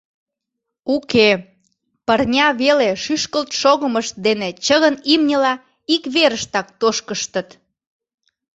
Уке, пырня веле шӱшкылт шогымышт дене чыгын имньыла ик верыштак тошкыштыт.